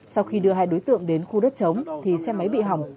sau khi đưa hai đối tượng đến khu đất chống thì xe máy bị hỏng